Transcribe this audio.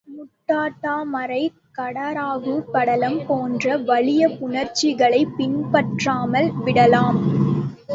முட்டாட்டாமரை, கடறாவு படலம் போன்ற வலிய புணர்ச்சிகளைப் பின்பற்றாமல் விடலாம்.